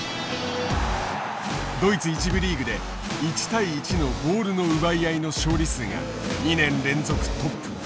ドイツ１部リーグで１対１のボールの奪い合いの勝利数が２年連続トップ。